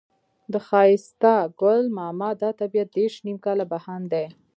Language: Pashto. د ښایسته ګل ماما دا طبيعت دېرش نيم کاله بهاند دی.